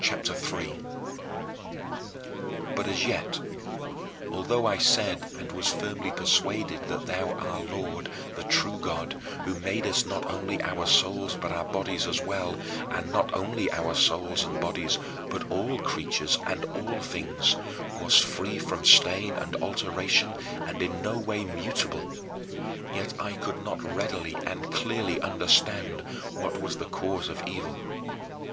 CHAPTER III 4. But as yet, although I said and was firmly persuaded that thou our Lord, the true God, who madest not only our souls but our bodies as well and not only our souls and bodies but all creatures and all things wast free from stain and alteration and in no way mutable, yet I could not readily and clearly understand what was the cause of evil.